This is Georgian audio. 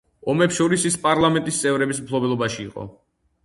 ომებს შორის ის პარლამენტის წევრების მფლობელობაში იყო.